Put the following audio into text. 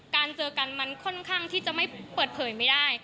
เจอกันมันค่อนข้างที่จะไม่เปิดเผยไม่ได้